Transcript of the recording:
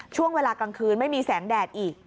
ช่วงเวลากลางคืนไม่มีแสงแดดอีก